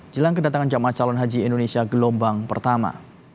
jelang kedatangan jemaah calon haji indonesia gelombang pertama